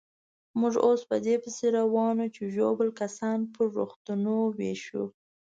موږ اوس په دې پسې روان وو چې ژوبل کسان پر روغتونو وېشو.